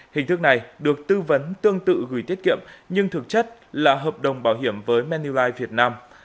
hình thức này được tư vấn tương tự gửi tiết kiệm nhưng thực chất là hợp đồng bảo hiểm với mani việt nam